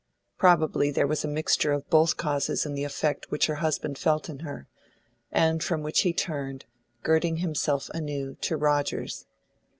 Probably there was a mixture of both causes in the effect which her husband felt in her, and from which he turned, girding himself anew, to Rogers.